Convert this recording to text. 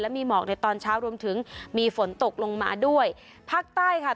มีหมอกในตอนเช้ารวมถึงมีฝนตกลงมาด้วยภาคใต้ค่ะ